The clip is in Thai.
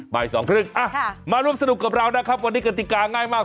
บ่ายสองครึ่งมาร่วมสนุกกับเรานะครับวันนี้กติกาง่ายมาก